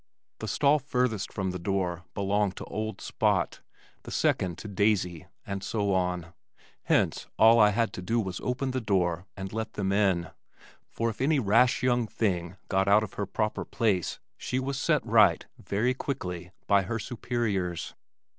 The stall furthest from the door belonged to "old Spot," the second to "Daisy" and so on, hence all I had to do was to open the door and let them in for if any rash young thing got out of her proper place she was set right, very quickly, by her superiors.